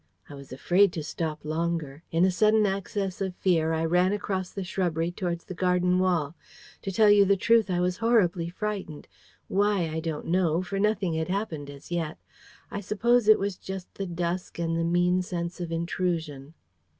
I was afraid to stop longer. In a sudden access of fear, I ran across the shrubbery towards the garden wall. To tell you the truth, I was horribly frightened. Why, I don't know; for nothing had happened as yet. I suppose it was just the dusk and the mean sense of intrusion."